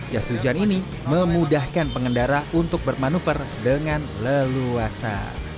jas hujan ini memudahkan pengendara untuk bermanuver dengan leluasa